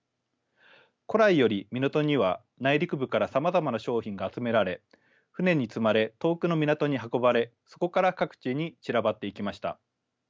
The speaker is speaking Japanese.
古来より港には内陸部からさまざまな商品が集められ船に積まれ遠くの港に運ばれそこから各地に散らばっていきました。